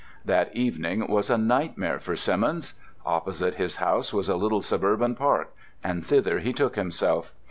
That evening was a nightmare for Simmons. Opposite his house was a little suburban park, and thither he took himself.